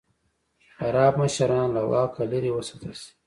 خراب مشران له واکه لرې وساتل شي.